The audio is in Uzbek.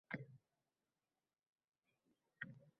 Ay, nima farqi bor?